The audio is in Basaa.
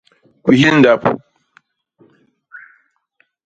Kwihil ndap.